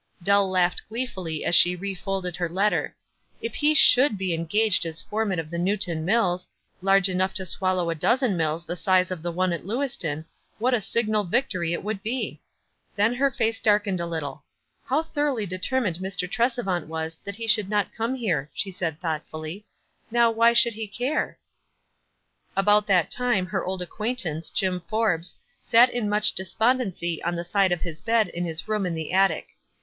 Dell laughed gleefully as she refolded her letter. If he should be engaged as foreman of the Newton Mills, large enough to swallow a dozen mills the size of the one at Lewiston, what a signal victory it would be ! Then her face darkened a little. "How thoroughly deter mined Mr. Tresevant was that he should not come here," she said thoughtfully. "Now, why bhould he care ?" WISE AND OTHERWISE. 77 About that time her old acquaintance, Jim Forbes, sat in much despondency on the side of his bed in his room in the attic.